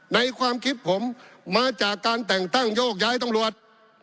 ความคิดผมมาจากการแต่งตั้งโยกย้ายตำรวจ